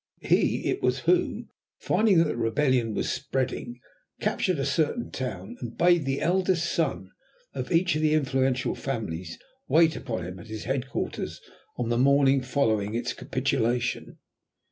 He it was who, finding that the Rebellion was spreading, captured a certain town, and bade the eldest son of each of the influential families wait upon him at his headquarters on the morning following its capitulation.